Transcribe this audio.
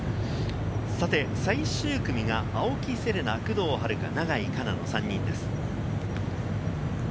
最終組が青木瀬令奈、工藤遥加、永井花奈の３人です。